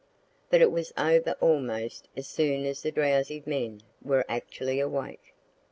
But it was over almost as soon as the drowsied men were actually awake.